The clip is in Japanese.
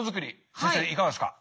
先生いかがですか。